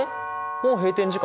もう閉店時間？